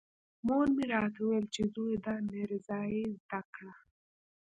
مور مې راته ويل چې زويه دا ميرزايي زده کړه.